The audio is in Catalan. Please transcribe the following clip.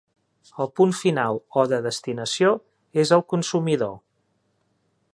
El punt final o de destinació és el consumidor.